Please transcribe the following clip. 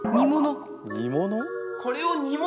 煮物？